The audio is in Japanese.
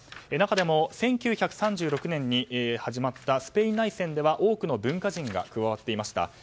中でも１９３６年に始まったスペイン内戦では多くの文化人が加わっていました。